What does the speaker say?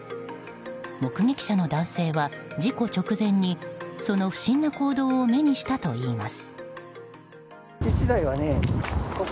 目撃者の男性は事故直前にその不審な行動を目にしたといいます。